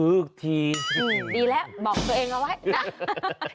อีกทีดีแล้วบอกตัวเองเอาไว้นะ